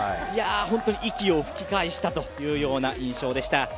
本当に息を吹き返したというような印象でした。